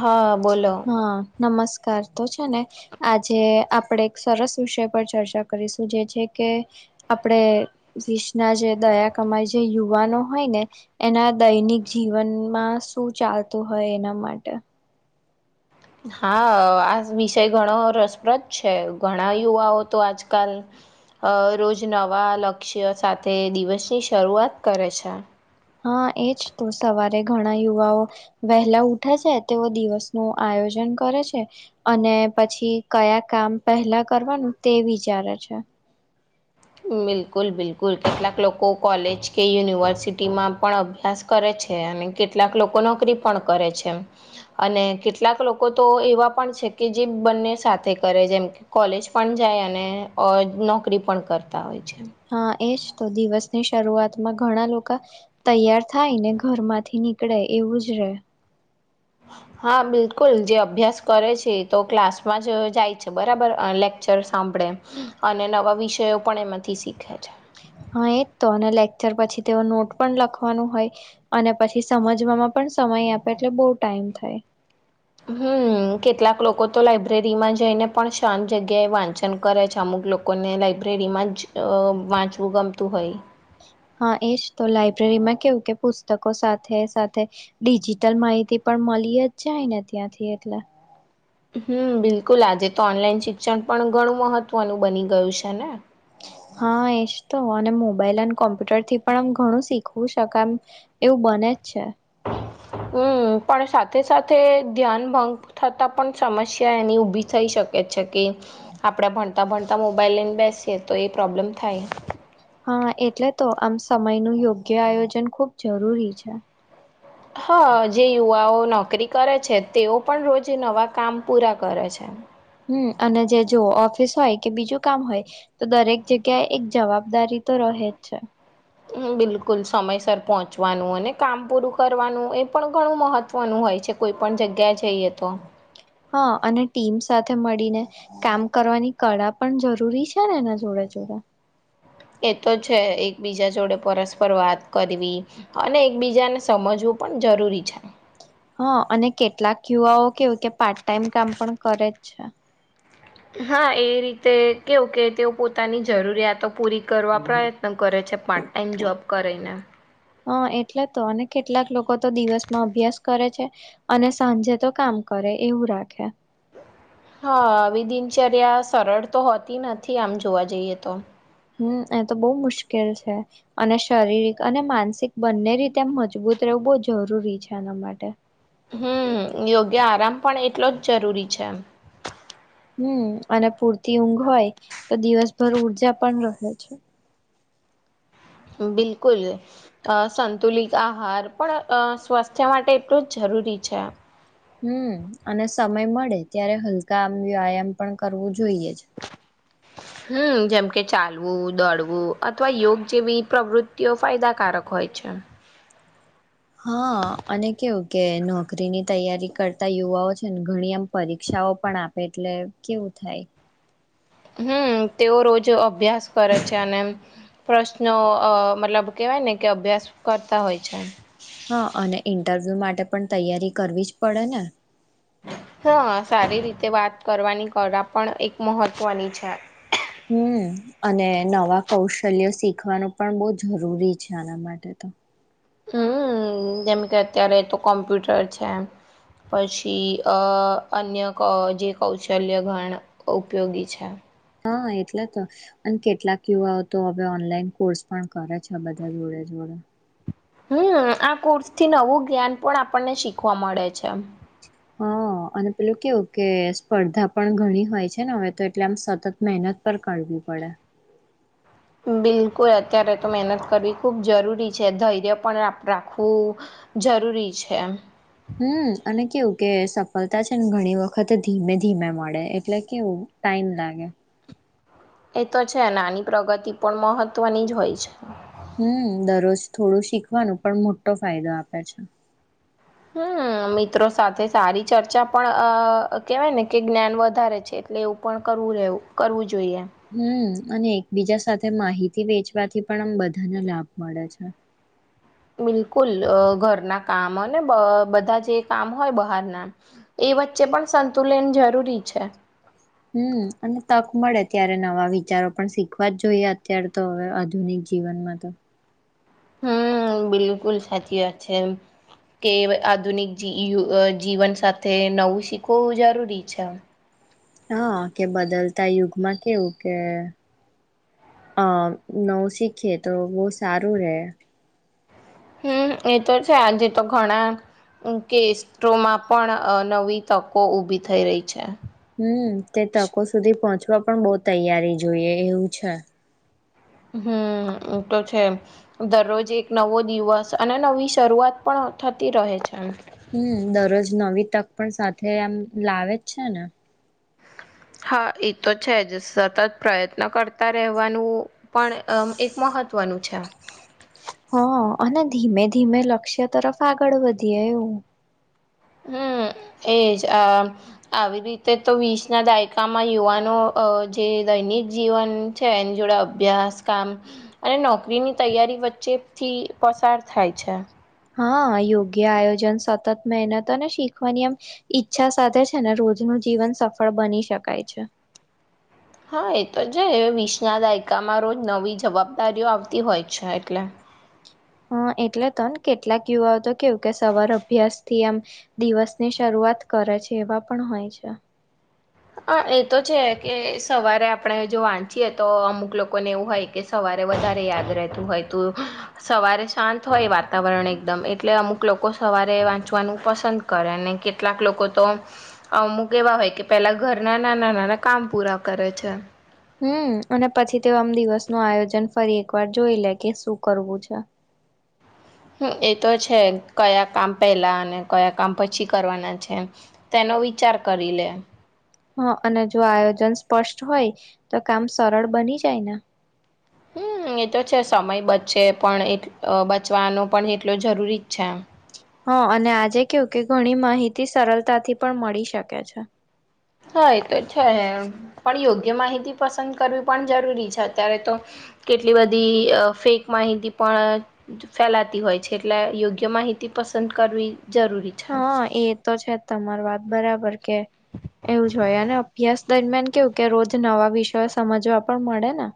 હા બોલો હા નમસ્કાર તો છે ને આજે આપણેે એક સરસ વિષય પર ચર્ચા કરીશું જે છે કે આપણેે વિશના જે દયા કમાય જે યુવાનો હોય ને એના દૈનિક જીવનમાં શું ચાલતું હોય એના માટે હા આ વિષય ઘણો રસપ્રદ છે ઘણા યુવાઓ તો આજકાલ અ રોજ નવા લક્ષ્ય સાથે દિવસની શરૂઆત કરે છે હા એજ તો સવારે ઘણા યુવાઓ વહેલા ઉઠે છે તેઓ દિવસ નુ આ આયોજન કરે છે અને પછી કયા કામ પહેલા કરવાનું તે વિચારે છે હા બિલકુલ બિલકુલ કેટલાક લોકો કોલેજ કે યુનિવર્સિટીમાં પણ અભ્યાસ કરે છે અને કેટલાક લોકો નોકરી પણ કરે છે અને કેટલાક લોકો તો એવા પણ છે કે જે બંને સાથે કરે જેમ કે કોલેજ પણ જાય અને નોકરી પણ કરે હા એજ તો દિવસ ની શરૂઆતમાં ઘણા લોકા તૈયાર થાય ને ઘરમાંથી નીકળે એવું જ છે [unintelligible] હા બિલકુલ જે અભ્યાસ કરે છે તો ક્લાસમાં જ જાય છે બરાબર લેક્ચર સાંભળવા આપણે અને નવા વિષયો પણ એમાંથી શીખે છે [unintelligible] હા એજ તો અને લેક્ચર પછી તેઓ નોટ પણ લખવાનું હોય અને પછી સમજવામાં પણ સમય આપે એટલે બહુ ટાઈમ થાય હમ કેટલાક લોકો તો લાઈબ્રેરીમાં જઈને પણ શાંત જગ્યાએ વાંચન કરે છે અમુક અમુક લોકોને લાઈબ્રેરીમાં જ અ વાંચવું ગમતું હોય હા એજ તો લાયબ્રેરીમાં કેવું કે પુસ્તકો સાથે સાથે ડિજિટલ માહિતી પણ મળે અલી જ જાય ને ત્યાંથી એટલે હમ બિલકુલ આજે તો ઓનલાઈન શિક્ષણ પણ ઘણું મહત્વનું બની ગયું છે ને [inaudible] હા એજ તો અને મોબાઈલ અને કોમ્પ્યુટરથી પણ આમ ઘણું શીખવી શકાય એમ એવું બને જ છે. હમ પણ સાથે સાથે ધ્યાન ભંગ થતા પણ સમસ્યા એની ઉભી થઈ શક છે કે આપડા ભણ તાં ભણતા મોબાઈલ લઈને બેસીએ તો એ પ્રોબ્લેમ થાય હા એટલે તો આમ સમયનું યોગ્ય આયોજન ખુબ જરૂરી છે. હા જે યુવાઓ નોકરી કરે છે તેઓ પણ રોજ નવા કામ પૂરા કરે છે. હમ અને જે જોઓ ઓફિસ હોય કે બીજું કામ હોય તો દરેક જગ્યાએ એક જવાબદારી તો હોય જ છે. બિલકુલ સમયસર પહોંચવાનું અને કામ પૂરું કરવાનું એ પણ ઘણું મહત્વનું હોય છે કોઈ પણ જગ્યાએ જઈએ તો હા અને ટીમ સાથે મળીને કામ કરવાની કળા પણ જરૂરી છે ને એના જોડે જોરે એ તો છે એકબીજા જોડે પરસ્પર વાત કરવી અને એકબીજાને સમજવું પણ જરૂરી છે. હા અને કેટલાક યુવાઓ કેવું કે પાર્ટ ટાઈમ કામ પણ કરે જ છે. હા એ રીતે કેવું કેવુ તેઓ પોતાની જરૂરિયાતો પૂરી કરવા પ્રયત્ન કરે છે પાર્ટ ટાઈમ જોબ કરીને હા એટલે તો અને કરે એવું રાખે હા આવી દિનચર્યા સરળ તો હોતી નથી આમ જોવા જઈએ તો હમ એ તો બહુ મુશ્કેલ છે અને શારીરિક અને માનસિક બંને રીતે એમ મજબૂત એવું બો જરૂરી છે આના માટે હમ યોગ્ય આરામ પણ એટલો જ જરૂરી છે એમ હમ અને પૂરતી ઊંઘ હોય તો દિવસભર ઊર્જા પણ રહે છે. બિલકુલ અ સંતુલિત આહાર પણ અ સ્વાસ્થ્ય માટે એટલું જરૂર જરૂરી છે. હમ અને સમય મળે ત્યારે હલકા આમ વ્યાયામ પણ કરવું જોઈએ જ- [inaudible] હમ જેમકે ચાલવું દોડવું અથવા યોગ જેવી પ્રવૃત્તિઓ ફાયદાકારક હોય અચછા [inaudible] હા અને કેવું કે નોકરીની તૈયારી કરતા યુવાઓ છે ને ઘણી આમ પરીક્ષાઓ પણ આપે એટલે કેવું થાય હમ તેઓ રોજ અભ્યાસ કરે છે અને પ્રશ્નો અ મતલબ કે કઈ ને કે અભ્યાસ કરતા હોય છે. હા અને ઇન્ટરવ્યુ માટે પણ તૈયારી કરવી જ પડે ને હા સારી રીતે વાત કરવાની કળા પણ એક મહત્વની છે. હમ અને નવા કૌશલ્ય શીખવાનું પણ બહુ જરૂરી છે આના માટે તો હમ જેમ કે અત્યારે તો કોમ્પ્યુટર છે. પછી અ અન્ય જે કૌશલ્ય ઘણ ઉપયોગી છે. હા એટલે તો અને કેટલાક યુવાઓ તો હવે ઓનલાઈન કોર્સ પણ કરે છે બધા જોડે જોડે હમ આ કોર્સથી નવું જ્ઞાન પણ આપણને શીખવા મળે છે. હા અને પેલું કેવું કે સ્પર્ધા પણ ઘણી હોય છે ને હવે તો એટલે આમ સતત મહેનત પર કરવી પડા. બિલકુલ અત્યારે તો મહેનત કરવી ખૂબ જરૂરી છે ધૈર્ય પણ રાખવું. જરૂરી છે એ. હમ અને કેવું કે સફળતા છે ને ઘણી વખત ધીમે ધીમે મળે એટલે કેવું. ટાઈમ લાગે. એ તો છે આની પ્રગતિ પણ મહત્વની જ હોય છે. હમ દરરોજ થોડું શીખવાનું પણ મોટો ફાયદો આપે છે. હમ મિત્રો સાથે સારી ચર્ચા પણ અ કેવાય ને કે જ્ઞાન વધારે છે. એટલે એવું પણ કરવું રહેવું કરવું જોઈએ. હમ અને એકબીજા સાથે માહિતી વેચવાથી પણ આમ બધાને લાભ મળે છે. [inaudible] બિલકુલ ઘરના કામ અને બધા જે કામ હોય બહારના. એ વચ્ચે પણ સંતુલન જરૂરી છે. હમ અને તક મળે ત્યારે નવા વિચારો પણ શીખવા જ જોઈએ અત્યારે તો હવે આધુનિક. જીવનમાં તો. હમ બિલકુલ સાચી વા છે. કે આધુનિક જીવન સાથે નવું શીખવવું જરૂરી છે. હા કે બદલતા યુગમાં કેવું કે. અ નવ શીખએ તો બહ સારું રહે. હમ એ તો છે આજે તો ઘણા. કેસ્ટોમાં પણ નવી તકો ઉઊભી થઈ રહી છે. હમ તે તકો સુધી પહોંચવા પણ બહ તૈયારી જોઈએ એવું છે. હમ તો છે દરરોજ એક નવો દિવસ અને નવી શરૂઆત પણ. થતી રહે છે. હમ દરરોજ નવી તક પણ સાથે આમ લાવે જ છે ને. હા એ તો છે જ સતત પ્રયત્ન કરતા રહેવાનું પણ એક. મહત્વનું છે. હા અને ધીમે ધીમે લક્ષ્ય તરફ આગળ વધીએ એવું. હમ એજ આવી રીતે તો વીસ ના દાયકામાં યુવાનો. જે દૈનિક જીવન છે એની જોડે અભ્યાસ કામ અને નોકરીની તૈયારી. વચ્ચે થી પસાર થાય છે. હા યોગ્ય આયોજન સતત મહેનતો ને શીખવાની આમ ઈચ્છા સાથે છે ને. રોજનું જીવન સફળ બની શકાય છે. હા એ તો જ વિષના દાયકામાં રોજ નવી જવાબદારીઓ આવતી હોય છે એટલે. [unintelligible] હ એટલે તો ને કેટલાક યુવાઓ તો કેવું કે સવાર અભ્યાસ થી આમ દિવસની શરૂ. શઆત કરે છે એવા પણ હોય છે. હ એ તો છે કે સવારે આપણે જો વાંચીએ તો અમુક લોકોને એવું હોય કે સવારે. વધ યાદ રહેતું હોય ત સવારે શાંત હોય વાતાવરણ એકદમ એટલે અમુક લોકો. સવારે વાંચવાનું પસંદ કરે અને કેટલાક લોકો તોમક એવા હોય કે. પેલા ઘરના નાના નાના કામ પૂરા કરે છે. હમ અને પછી તે આમ દિવસ નું આયોજન ફરી એકવાર જોઈ લે કે શું કરવું છે. [unintelligible] હ એ તો છે કયા કામ પેલા અને કયા કામ પછી કરવાના છે તેને. નો વિચાર કરી લે. હા અને જો આયોજન સ્પષ્ટ હોય તો કામ સરળ બની જાયને. હમ એ તો છે સમય બચશે પણ એ બચવાનું પણ એટલું જરૂરી જ છે આમ. હા અને આજે કેવું કે ઘણી માહિતી સરળતાથી પણ મળી શકે છે. હા તો છે પણ યોગ્ય માહિતી પસંદ કરવી પણ જરૂરી છે અત્યારે તો. કેટલી બધી ફેક માહિતી પણ ફેલાતી હોય છે એટલે યોગ્ય માહિતી. પસંદ કરવી જરૂરી છે. તમાર વાત બરાબર કે. એવું જ હોય અને અભ્યાસ દરમિયાન કેવું કે રોજ નવા વિષયો સમજવા પણ મળે ને. હ.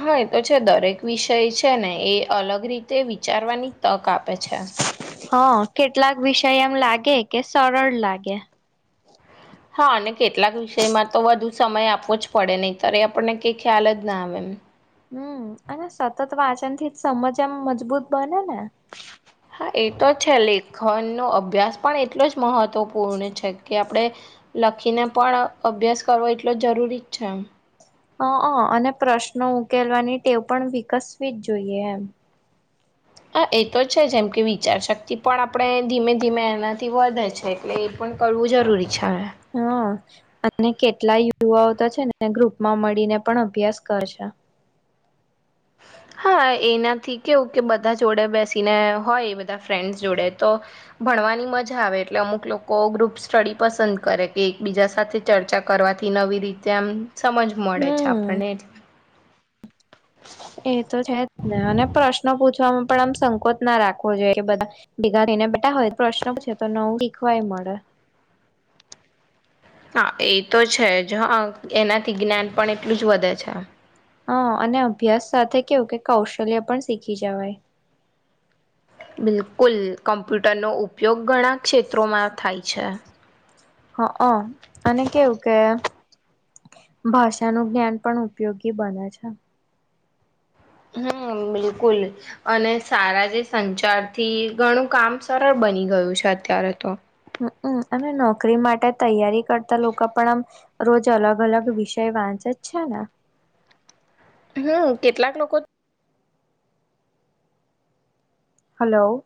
હા એ તો છે દરેક વિષય છે ને એ અલગ રીતે વિચારવાની તક આપે છે. હ કેટલાક વિષય એમ લાગે કે સરળ લાગે. હા અને કેટલાક વિષયમાં તો વધુ સમય આપવો જ પડે નહીિ ત્યારે એ આપણને કઈ ખ્યાલ જ ના આવે એમ. હમ અને સતત વાંચન થી જ સમજ એમ મજબૂત બને ને. હા, એ તો છે. લેખનનો અભ્યાસ પણ એટલો જ મહત્વપૂર્ણ છે.. કે આપણે લખીને પણ અભ્યાસ કરવો એટલો જરૂરી જ છે, એમ. હ, હ, અને પ્રશ્નો ઉકેલવાની ટેવ પણ વિકસવી જ જોઈએ, એમ. હા, એ તો છે. જેમ કે, વિચારશક્તિ પણ આપણે ધીમે ધીમે એનાથી વધે છે, એટલે એ પણ. કરવું જરૂરી છે. હા, અને કેટલાય યુવાઓ તો છે ને, ગ્રુપમાં મળીને પણ અભ્યાસ કરે છે. [unintelligible] હા, એનાથી કેવું કે બધા જોડે બેસીને હોય, બધા ફ્રેન્ડસ જોડે તો. ભણવાની મજા આવે, એટલે અમુક લોકો ગ્રુપ સ્ટડી પસંદ કરે. કે એકબીજા સાથે ચર્ચા કરવાથી નવી રીતે આમ સમજ મળે છે હમ આપણને, એટલે. એ તો છે જ ને. અને પ્રશ્નો પૂછવામાં પણ આમ સંકોચ ના રાખવો જોઈએ, બધાને ને, બેટા હોય પ્રશ્ન પૂછે, તો નવું શીખવાય મળે. હા, એ તો છે જ. હ, એનાથી જ્ઞાન પણ એટલું જ વધે છે. હા, અને અભ્યાસ સાથે કેવું કે, કૌશલ્ય પણ શીખી જવાય. બિલકુલ. કમ્પ્યુટરનો ઉપયોગ ઘણા ક્ષેત્રોમાં થાય છે. હ, હ. અને કેવું કે. ભાષાનું જ્ઞાન પણ ઉપયોગી બને છે. હમ, બિલકુલ. અને સારા જે સંચાર થી ઘણું કામ સરળ બની. બની ગયું છે અત્યારે તો. હ, અને નોકરી માટે તૈયારી કરતા લોકો પણ આમ રોજ અલગ અલગ વિષય વાંચ છાણા. હમ, કેટલાક લોકો તો હલો.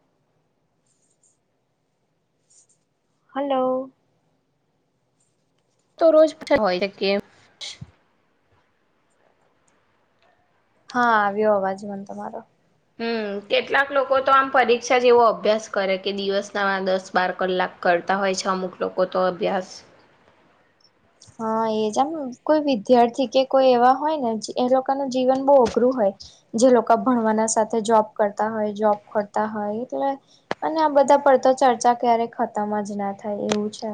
હલો. તો રોજ હોય કે હા, આવ્યો અવાજ. મન તમારો. હમ, કેટલાક લોકો તો આમ પરીક્ષા જેવો અભ્યાસ કરે કે દિવસ ના દસ-બાર કલાક કરે કરતા હોય છે અમુક લોકો તો અભ્યાસ હ. હા, એ જ. કોઈ વિદ્યાર્થી કે કોઈ એવા હોય ને, એ લોકોનું જીવન બહુ અઘરું હોય. જે લોકો ભણવાના સાથે જોબ કરતા હોય, જોબ શોધતા હોય એટલે, અને આ બધા પડતા. તો ચર્ચા ક્યારે ખતમ જ ના થાય એવું છે,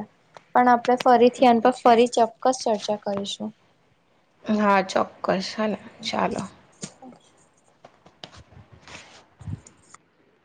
પણ આપણે એ ફરીથીન તો પર છે ફરી ચોક્કસ ચર્ચા કરીશું. હા, ચોક્કસ. હાલ, ચાલો.